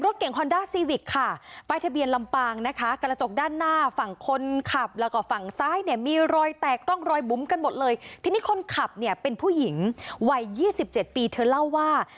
ที่นี่คนขับเนี่ยเป็นผู้หญิงวัย๒๗ปีเธอเล่าว่า